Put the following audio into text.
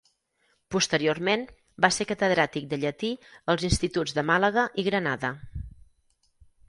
Posteriorment va ser catedràtic de llatí als instituts de Màlaga i Granada.